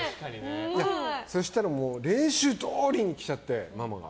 そしたら練習どおりに来ちゃって、ママが。